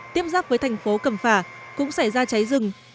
tiếp giáp với thành phố cẩm phả cũng xảy ra cháy rừng